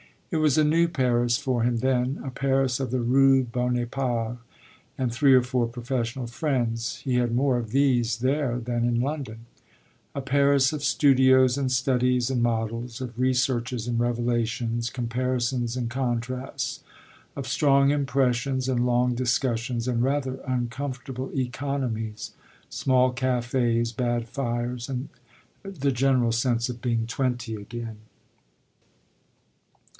It was a new Paris for him then; a Paris of the Rue Bonaparte and three or four professional friends he had more of these there than in London; a Paris of studios and studies and models, of researches and revelations, comparisons and contrasts, of strong impressions and long discussions and rather uncomfortable economies, small cafés, bad fires and the general sense of being twenty again.